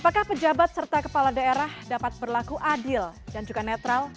apakah pejabat serta kepala daerah dapat berlaku adil dan juga netral